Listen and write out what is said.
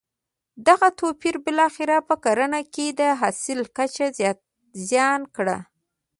دغه توپیر بالاخره په کرنه کې د حاصل کچه زیانه کړه.